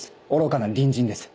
愚かな隣人です。